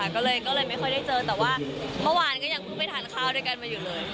ก็เลยไม่ค่อยได้เจอแต่ว่าเมื่อวานก็ยังเพิ่งไปทานข้าวด้วยกันมาอยู่เลย